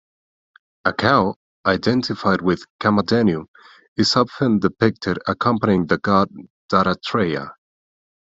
A cow, identified with Kamadhenu, is often depicted accompanying the god Dattatreya.